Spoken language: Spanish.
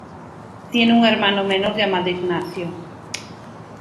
Tiene un hermano menor llamado Ignacio.